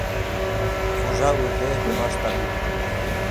Хужа үҙе - баш табип.